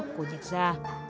của dịch gia